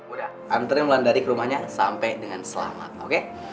udah antri mulai dari ke rumahnya sampai dengan selamat oke